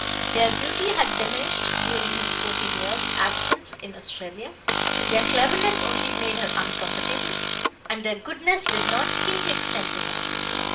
Their beauty had diminished during his fourteen years' absence in Australia; their cleverness only made her uncomfortable; and their goodness did not seem to extend to her.